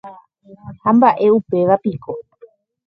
Ha mba'e upéva piko.